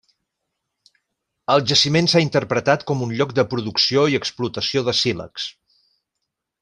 El jaciment s'ha interpretat com un lloc de producció i explotació de sílex.